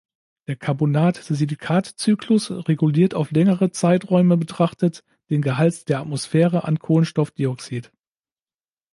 Der Carbonat-Silikat-Zyklus reguliert auf längere Zeiträume betrachtet den Gehalt der Atmosphäre an Kohlenstoffdioxid.